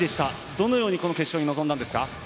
どのようにこの決勝に臨んだんですか？